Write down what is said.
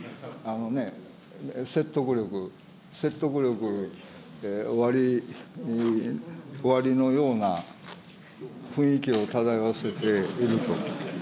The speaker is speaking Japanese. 説得力、説得力おありのような雰囲気を漂わせていると。